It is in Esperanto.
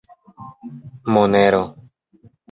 Monero.